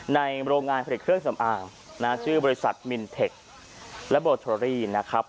ในโรงงานผลิตเครื่องสำอางนะชื่อบริษัทมินเทคนะครับ